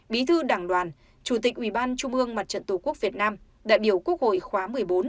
bí thư đảng đoàn chủ tịch ủy ban trung ương mặt trận tổ quốc việt nam đại biểu quốc hội khóa một mươi bốn